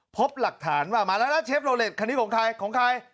พบหลักฐานว่ามาแล้วนะเชฟโลเล็ตคันนี้ของใครของใคร